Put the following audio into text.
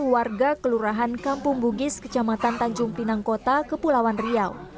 warga kelurahan kampung bugis kecamatan tanjung pinangkota kepulauan riau